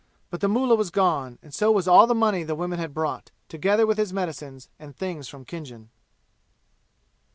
But the mullah was gone, and so was all the money the women had brought, together with his medicines and things from Khinjan.